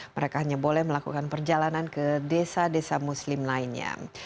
mereka hanya boleh melakukan perjalanan ke desa desa muslim lainnya